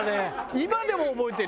今でも覚えてるよ。